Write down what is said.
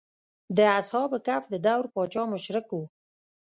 د اصحاب کهف د دور پاچا مشرک و.